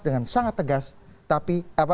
dengan sangat tegas tapi